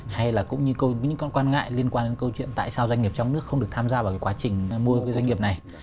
hay là cũng như những quan ngại liên quan đến câu chuyện tại sao doanh nghiệp trong nước không được tham gia vào cái quá trình mua cái doanh nghiệp này